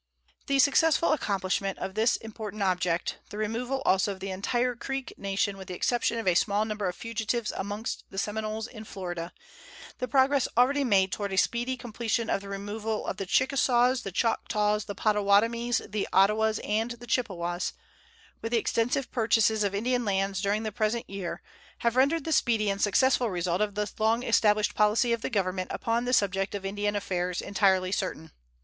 The successful accomplishment of this important object, the removal also of the entire Creek Nation with the exception of a small number of fugitives amongst the Seminoles in Florida, the progress already made toward a speedy completion of the removal of the Chickasaws, the Choctaws, the Pottawatamies, the Ottawas, and the Chippewas, with the extensive purchases of Indian lands during the present year, have rendered the speedy and successful result of the long established policy of the Government upon the subject of Indian affairs entirely certain.